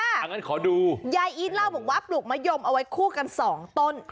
อย่างนั้นขอดูยายอีทเล่าบอกว่าปลูกมะยมเอาไว้คู่กันสองต้น